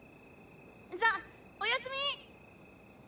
じゃあおやすみ！